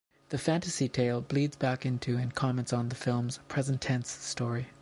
The fantasy tale bleeds back into and comments on the film's "present-tense" story.